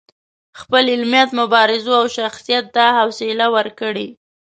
خپل علمیت، مبارزو او شخصیت دا حوصله ورکړې.